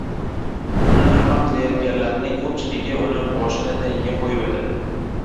• Pulni harom deyayotganlarning ko‘pchiligi uni boshining tagiga qo‘yib yotadi.